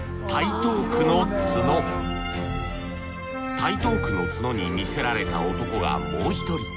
台東区のツノに魅せられた男がもう一人。